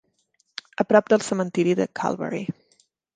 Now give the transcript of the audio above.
a prop del cementiri de Calvary.